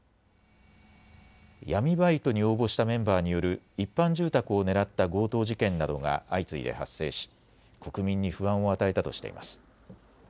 闇バイトに応募したメンバーによる一般住宅を狙った強盗事件などが相次いで発生し国民に不安を与えたとしています。